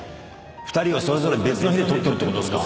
２人をそれぞれ別の日で撮ってるってことですか？